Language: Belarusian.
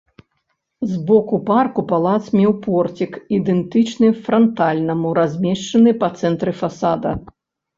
З боку парку палац меў порцік, ідэнтычны франтальнаму, размешчаны па цэнтры фасада.